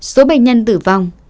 số bệnh nhân tử vong